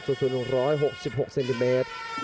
สูง๑๖๖เซนติเมตร